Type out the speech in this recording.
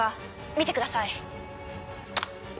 見てください。